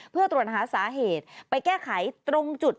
เพื่อตรวจหาสาเหตุไปแก้ไขตรงจุด